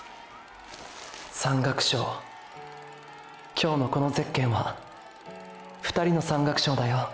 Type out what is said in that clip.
今日のこのゼッケンは２人の山岳賞だよ